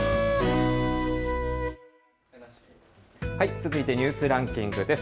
続いてニュースランキングです。